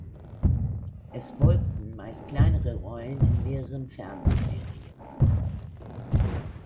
Es folgten meist kleinere Rollen in mehreren Fernsehserien.